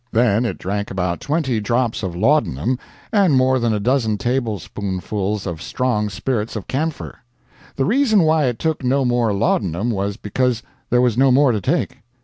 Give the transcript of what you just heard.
Then it drank about twenty drops of laudanum, and more than a dozen tablespoonfuls of strong spirits of camphor. The reason why it took no more laudanum was because there was no more to take.